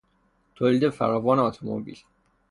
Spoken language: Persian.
تولید فراوان اتومبیل